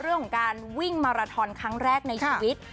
เรื่องของการวิ่งมาราทอนครั้งแรกในชีวิต